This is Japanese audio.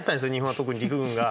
特に陸軍が。